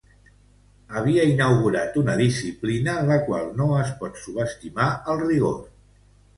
Havia inaugurat una disciplina en la qual no es pot subestimar el rigor